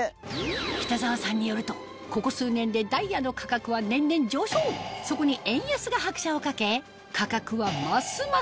北澤さんによるとここ数年でダイヤの価格は年々上昇そこに円安が拍車を掛け